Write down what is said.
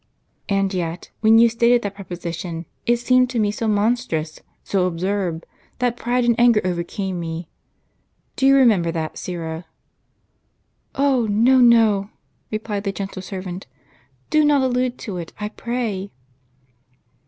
" And yet, when you stated that proposition, it seemed to me so monstrous, so absurd, that pride and anger overcame me. Do you remember that, Syra? "" Oh, no, no !" replied the gentle servant ;" do not allude to it, I pray